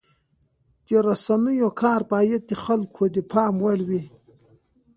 د رسنیو کار باید د خلکو د باور وړ وي.